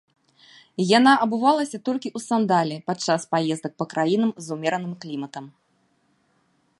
Яна абувалася толькі ў сандалі падчас паездак па краінам з умераным кліматам.